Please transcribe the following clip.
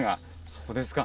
そうですね。